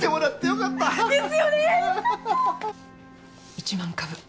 １万株。